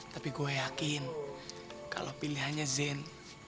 tapi gue yakin kalau pilihannya zen